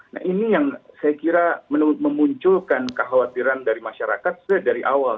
nah ini yang saya kira memunculkan kekhawatiran dari masyarakat sedari awal